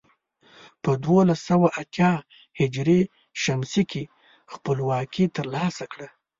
په دولس سوه اتيا ه ش کې خپلواکي تر لاسه کړه.